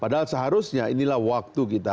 padahal seharusnya inilah waktu kita